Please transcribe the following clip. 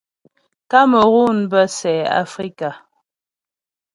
Kamerun bə́ sɛ Afrika.